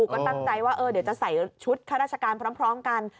ก็ตั้งใจว่าเดี๋ยวจะใส่ชุดข้าราชการพร้อมกัน